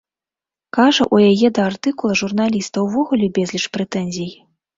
Кажа, у яе да артыкула журналіста ўвогуле безліч прэтэнзій.